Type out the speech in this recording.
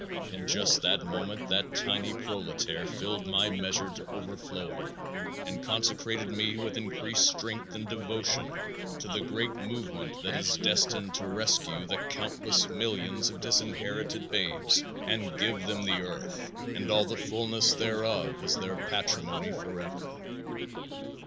In just that moment that tiny proletaire filled my measure to overflowing and consecrated me with increased strength and devotion to the great movement that is destined to rescue the countless millions of disinherited babes and give them the earth and all the fulness thereof as their patrimony forever.